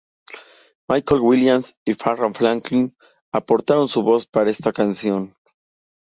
Michelle Williams y Farrah Franklin aportaron su voz para esta canción.